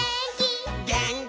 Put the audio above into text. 「げーんき」